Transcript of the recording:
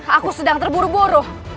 aku sedang terburu buru